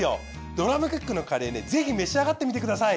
ドラムクックのカレーねぜひ召し上がってみてください。